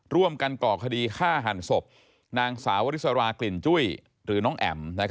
ก่อคดีฆ่าหันศพนางสาววริสรากลิ่นจุ้ยหรือน้องแอ๋ม